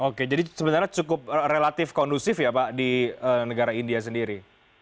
oke jadi sebenarnya cukup relatif kondusif ya pak di negara india sendiri